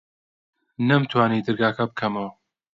نەمتوانی دەرگاکە بکەمەوە.